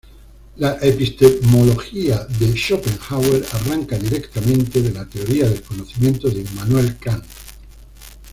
La epistemología de Schopenhauer arranca directamente de la teoría del conocimiento de Immanuel Kant.